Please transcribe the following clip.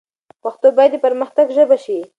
پښتو باید د پرمختګ ژبه شي.